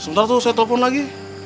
sebentar tuh saya telepon lagi